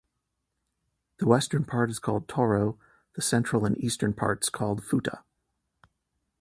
The western part is called Toro, the central and eastern parts called Futa.